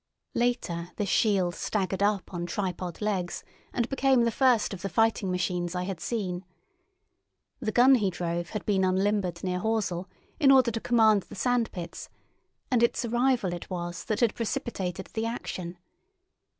Later this shield staggered up on tripod legs and became the first of the fighting machines I had seen. The gun he drove had been unlimbered near Horsell, in order to command the sand pits, and its arrival it was that had precipitated the action.